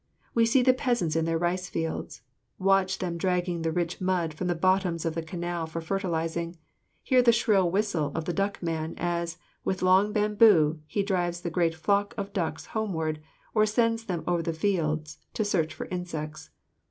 We see the peasants in their rice fields; watch them dragging the rich mud from the bottoms of the canal for fertilizing; hear the shrill whistle of the duck man as, with long bamboo, he drives the great flock of ducks homeward or sends them over the fields to search for insects.